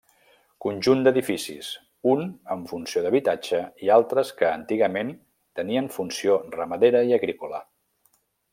Conjunt d'edificis: un amb funció d'habitatge i altres que antigament tenien funció ramadera i agrícola.